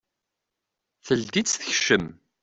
Teldi-tt tekcem.